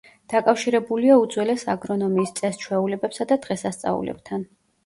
დაკავშირებულია უძველეს აგრონომიის წეს-ჩვეულებებსა და დღესასწაულებთან.